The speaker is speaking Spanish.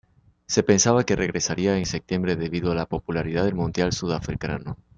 Se pensaba que regresaría en septiembre debido a la popularidad del Mundial Sudafricano.